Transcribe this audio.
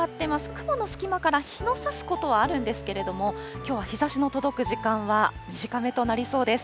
雲の隙間から日のさすことはあるんですけれども、きょうは日ざしの届く時間は短めとなりそうです。